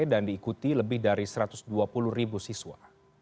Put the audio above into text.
dan diikuti lebih dari satu ratus dua puluh ribu siswa